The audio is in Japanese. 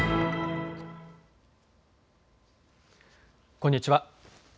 こんにちは。